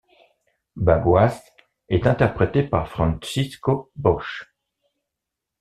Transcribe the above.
Bagoas est interprété par Francisco Bosch.